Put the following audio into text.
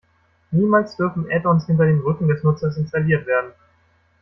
Niemals dürfen Add-ons hinter dem Rücken des Nutzers installiert werden.